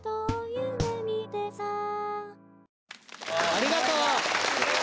ありがとう！